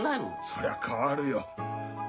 そりゃ変わるよ。